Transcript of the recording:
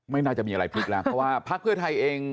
ไม่น่าจะมีอะไรพลิกแล้วเพราะว่าพักเพื่อไทยเอง